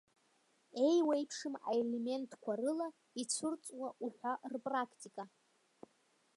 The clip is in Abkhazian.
Еиуеиԥшым аелементқәа рыла ицәырҵуа уҳәа рыпрактика.